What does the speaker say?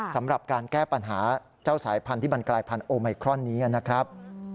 สำหรับการแก้ปัญหาเจ้าสายพันธุ์ที่มันกลายพันธุไมครอนนี้นะครับ